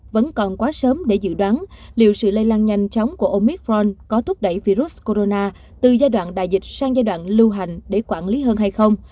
vẫn còn quá sớm để dự đoán liệu sự lây lan nhanh chóng của omicron có thúc đẩy virus corona từ giai đoạn đại dịch sang giai đoạn lưu hành để quản lý hơn hay không